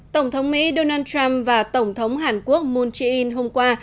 tổng thống mỹ donald trump và tổng thống hàn quốc moon jae in hôm qua